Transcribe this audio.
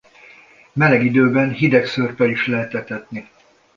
Meleg időben hideg szörppel is lehet etetni.